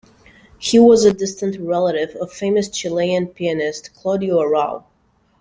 He was a distant relative of famous Chilean pianist Claudio Arrau.